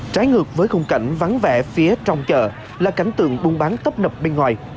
trái ngược với khung cảnh vắng vẻ phía trong chợ là cảnh tượng buôn bán tấp nập bên ngoài